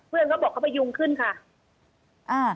เพื่อนก็บอกเขาพยุงขึ้นค่ะ